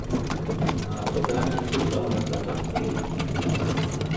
na qudanan tupa maca laqbing